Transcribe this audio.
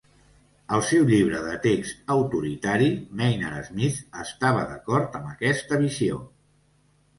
Al seu llibre de text autoritari, Maynard Smith estava d'acord amb aquesta visió.